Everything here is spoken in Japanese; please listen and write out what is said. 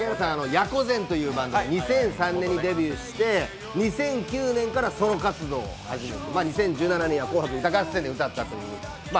野狐禅というバンドで２００３年にデビューして２００９年からソロ活動を始めて２０１７年には「紅白歌合戦」で歌ったという。